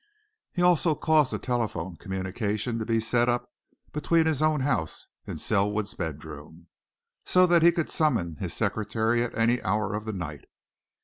He also caused a telephone communication to be set up between his own house and Selwood's bedroom, so that he could summon his secretary at any hour of the night.